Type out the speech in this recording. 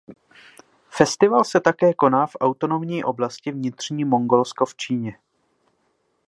Festival se taky koná v autonomní oblasti Vnitřní Mongolsko v Číně.